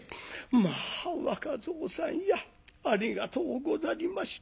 「まあ若蔵さんやありがとうござりました。